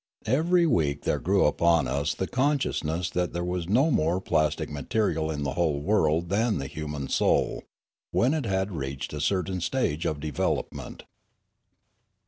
Every week there grew upon us the con sciousness that there was no more plastic material in the whole world than the human soul, when it had reached a certain stage of development.